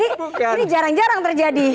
ini jarang jarang terjadi